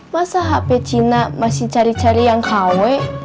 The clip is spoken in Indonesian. masa hp cina masih cari cari yang kw